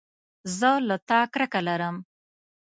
زه له تا کرکه لرم